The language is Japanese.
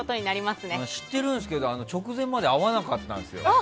知ってるんですけど直前まで会わなかったんですよ。